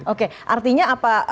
oke artinya apa